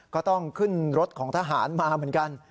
ก็ต้องขึ้นรถของทหารมาเหมือนกัน